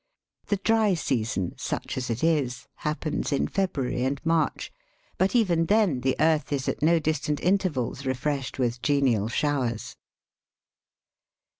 The dry season, such as it is, happens in February and March; but even then the earth is at no distant intervals refreshed with genial showers.